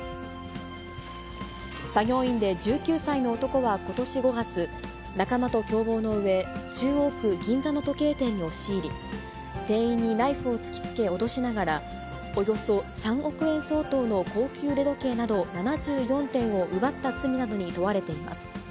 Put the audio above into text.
作業員で１９歳の男はことし５月、仲間と共謀のうえ、中央区銀座の時計店に押し入り、店員にナイフを突きつけ脅しながら、およそ３億円相当の高級腕時計など７４点を奪った罪などに問われています。